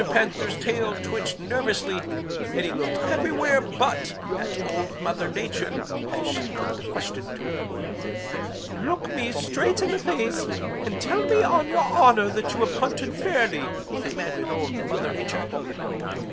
Panther's tail twitched nervously, and he looked everywhere but at Old Mother Nature as she put the question to him. "'Look me straight in the face and tell me on your honor that you have hunted fairly,' commanded Old Mother Nature. Mr.